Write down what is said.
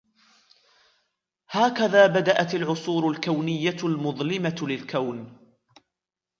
هكذا بدأت العصور الكونية المظلمة للكون